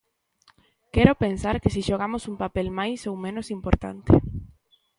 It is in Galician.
Quero pensar que si xogamos un papel máis ou menos importante.